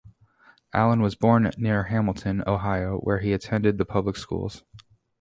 Allen was born near Hamilton, Ohio, where he attended the public schools.